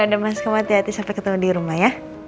ya udah mas kamu hati hati sampai ketemu di rumah ya